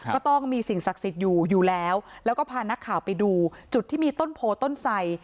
ก็ต้องมีสิ่งศักดิ์สิทธิ์อยู่อยู่แล้วแล้วก็พานักข่าวไปดูจุดที่มีต้นโพต้นไส